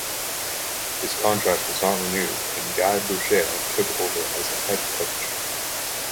His contract was not renewed and Guy Boucher took over as head coach.